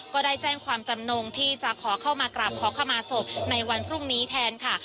ก็ได้แจ้งความจำนงที่จะขอเข้ามากราบขอขมาศพในวันพรุ่งนี้แทนค่ะ